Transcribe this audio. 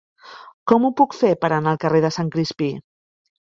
Com ho puc fer per anar al carrer de Sant Crispí?